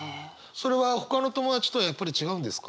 それはほかの友達とはやっぱり違うんですか？